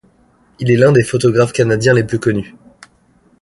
Il est l'un des photographes canadiens les plus connus.